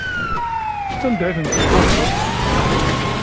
Anda ay ten-tesfurkeḍ?